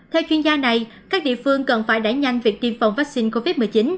theo chuyên gia này các địa phương cần phải đẩy nhanh việc tiêm phòng vaccine covid một mươi chín